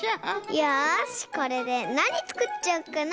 よしこれでなにつくっちゃおっかな。